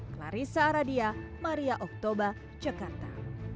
clarissa aradia maria oktober jakarta